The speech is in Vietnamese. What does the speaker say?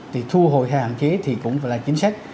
trợ giá như thế thì cũng phải là chính sách